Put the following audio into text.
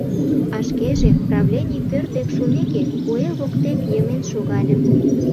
А шкеже, правлений пӧрт дек шумеке, куэ воктек йымен шогальым.